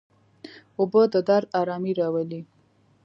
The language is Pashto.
اوبه د درد آرامي راولي.